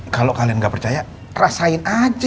kalau kalian nggak percaya rasain aja